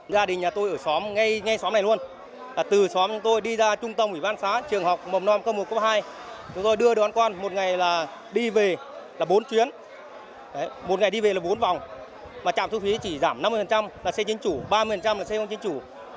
một ngày đi về là bốn vòng mà trạm thu phí chỉ giảm năm mươi là xe chính chủ ba mươi là xe không chính chủ